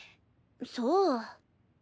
そう。